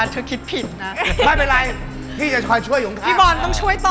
ที่ผ่านมานะฮะ